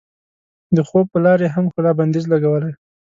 د خوب په لار یې هم ښکلا بندیز لګولی.